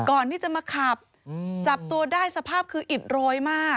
ก่อนที่จะมาขับจับตัวได้สภาพคืออิดโรยมาก